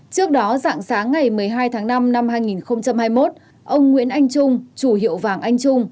trước đó dạng sáng ngày một mươi hai tháng năm năm hai nghìn hai mươi một ông nguyễn anh trung chủ hiệu vàng anh trung